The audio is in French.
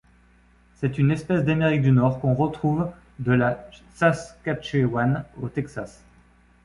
C'est une espèce d'Amérique du Nord qu'on retrouve de la Saskatchewan au Texas.